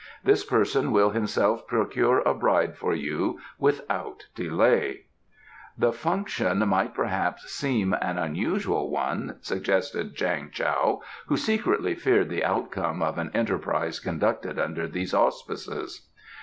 This person will himself procure a bride for you without delay." "The function might perhaps seem an unusual one," suggested Chang Tao, who secretly feared the outcome of an enterprise conducted under these auspices.